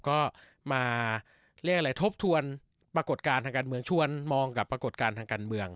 ก็มาเรียกอะไรทบทวนปรากฏการณ์ทางการเมืองชวนมองกับปรากฏการณ์ทางการเมือง